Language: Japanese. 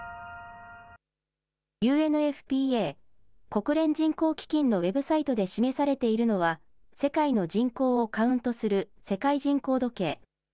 ＵＮＦＰＡ・国連人口基金のウェブサイトで示されているのは世界の人口をカウントする世界人口時計。